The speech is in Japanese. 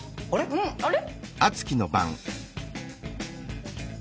うん。あれ？